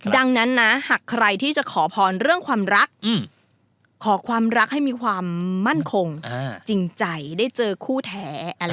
ดังนั้นนะหากใครที่จะขอพรเรื่องความรักขอความรักให้มีความมั่นคงจริงใจได้เจอคู่แท้